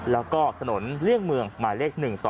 แล้วก็ถนนเลี่ยงเมืองหมายเลข๑๒